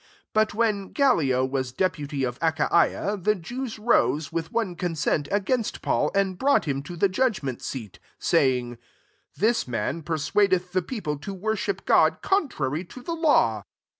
12 But when GalHo was de puty of Achaia» the Jews rose, with one consent, against Paul, and brought him to the judg mentseat; 13 say in,^, "This man persuadeth the people to wor ship God contrary to the Law."